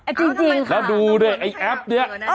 เอาทำไมค่ะ